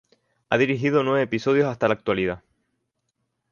Ha dirigido nueve episodios hasta la actualidad.